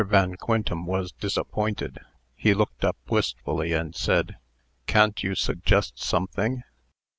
Van Quintem was disappointed. He looked up wistfully, and said: "Can't you suggest something?"